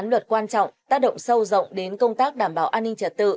những dự án luật quan trọng tác động sâu rộng đến công tác đảm bảo an ninh trật tự